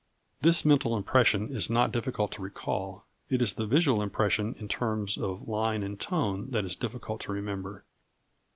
This mental impression is not difficult to recall; it is the visual impression in terms of line and tone that is difficult to remember.